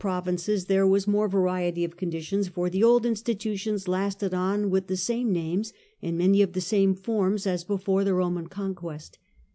provinces there was more variety of conditions, for the old institutions lasted on with the same names and many of the same forms as before the Roman conquest.